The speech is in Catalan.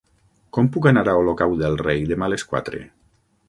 Com puc anar a Olocau del Rei demà a les quatre?